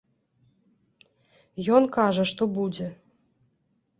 Ён кажа, што будзе.